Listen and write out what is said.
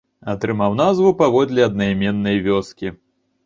Атрымаў назву паводле аднайменнай вёскі.